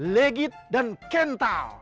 legit dan kental